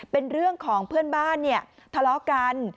เป็นเรื่องของเพื่อนบ้านเนี่ยทะเลาะกัน